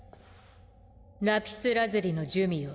ラピスラズリの珠魅よ